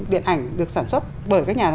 điện ảnh được sản xuất bởi các nhà